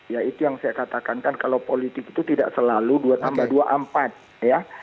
ya itu yang saya katakan kan kalau politik itu tidak selalu dua tambah dua empat ya